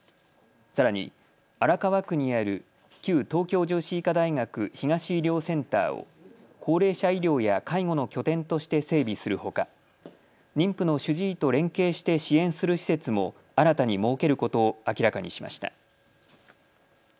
さらに荒川区にある旧東京女子医科大学東医療センターを高齢者医療や介護の拠点として整備するほか妊婦の主治医と連携して支援する施設も新たに設けることを明らかにしました。